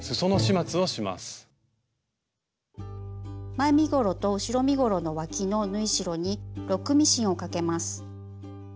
前身ごろと後ろ身ごろのわきの縫い代にロックミシンをかけます。